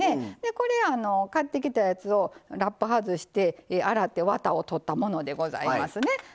これ買ってきたやつをラップ外して洗ってワタを取ったものでございますね。